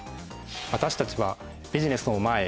私たちは「ビジネスを前へ。